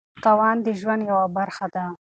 تاوان د ژوند یوه برخه ده.